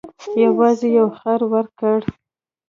یوازې یو خر ورکړ.